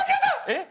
えっ？